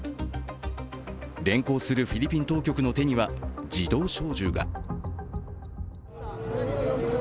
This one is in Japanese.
連行するフィリピン当局の手には自動小銃が。